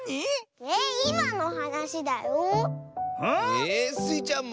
えスイちゃんも？